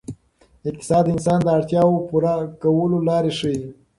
اقتصاد د انسان د اړتیاوو پوره کولو لارې ښيي.